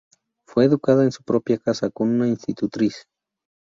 Fue educada en su propia casa, con una institutriz.